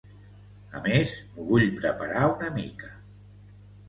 A més, m'ho vull preparar una mica.